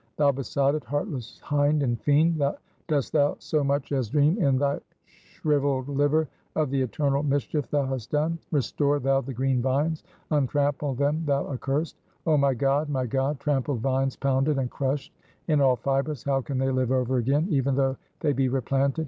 Thou besotted, heartless hind and fiend, dost thou so much as dream in thy shriveled liver of the eternal mischief thou hast done? Restore thou the green vines! untrample them, thou accursed! Oh my God, my God, trampled vines pounded and crushed in all fibers, how can they live over again, even though they be replanted!